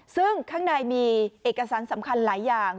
ซึ่งข้างในมีเอกสารสำคัญหลายอย่าง